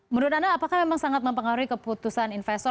menurut anda apakah memang sangat mempengaruhi keputusan investor